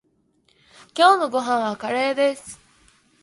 今日のご飯はカレーです。